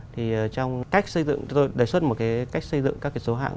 thì trong cách xây dựng chúng tôi đề xuất một cái cách xây dựng các cái số hạng